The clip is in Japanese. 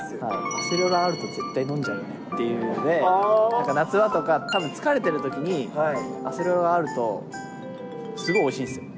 アセロラあると絶対飲んじゃうっていうんで、なんか夏場とか、多分疲れてるときにアセロラあると、すごいおいしいんですよ。